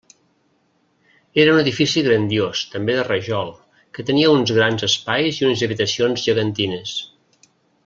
Era un edifici grandiós, també de rajol, que tenia uns grans espais i unes habitacions gegantines.